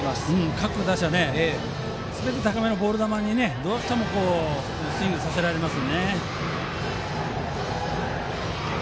各打者高めのボール球に対しどうしてもスイングさせられます。